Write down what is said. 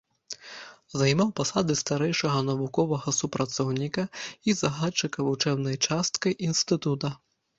Займаў пасады старэйшага навуковага супрацоўніка і загадчыка вучэбнай часткай інстытута.